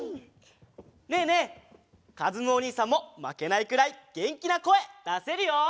ねえねえかずむおにいさんもまけないくらいげんきなこえだせるよ！